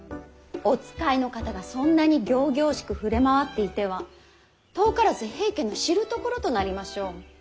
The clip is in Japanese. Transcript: お使いの方がそんなに仰々しく触れ回っていては遠からず平家の知るところとなりましょう。